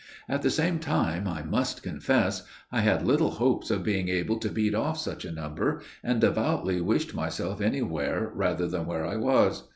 At the same time, I must confess, I had little hopes of being able to beat off such a number, and devoutly wished myself anywhere rather than where I was.